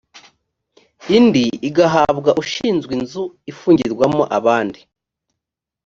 indi igahabwa ushinzwe inzu ifungirwamo abandi